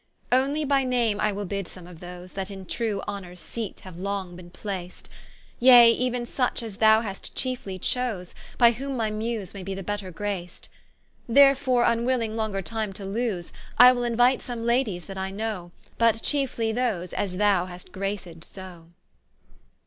Onely by name I will bid some of those, That in true Honors seate haue long bin placed, Yea euen such as thou hast chiefly chose, By whom my Muse may be the better graced; Therefore, vnwilling longer time to lose, I will inuite some Ladies that I know, But chiefly those as thou hast graced so.